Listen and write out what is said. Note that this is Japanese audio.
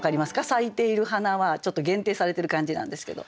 咲いている花はちょっと限定されてる感じなんですけど。